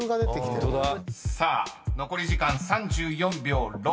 ［さあ残り時間３４秒６］